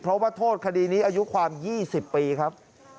เพราะว่าโทษคดีนี้อายุความ๒๐ปีครับ